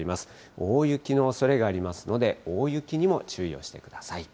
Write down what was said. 大雪のおそれがありますので、大雪にも注意をしてください。